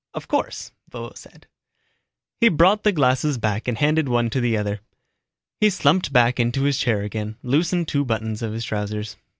"Of course," Vovo said. He brought the glasses back and handed one to the other. He slumped back into his chair again, loosened two buttons of his trousers.